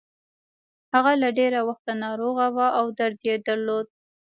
هغه له ډېره وخته ناروغه وه او درد يې درلود.